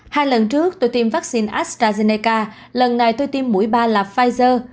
hai lần trước tôi tiêm vaccine astrazeneca lần này tôi tiêm mũi ba là pfizer